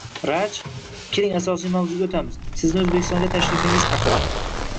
Raj, keling asosiy mavzuga oʻtamiz, sizni Oʻzbekistonga tashrifingiz haqida?